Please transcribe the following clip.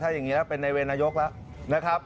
อย่างนี้แล้วเป็นในเวรนายกแล้วนะครับ